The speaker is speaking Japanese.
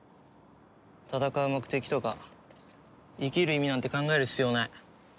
戦う目的とか生きる意味なんて考える必要ない。